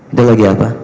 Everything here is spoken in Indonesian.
itu lagi apa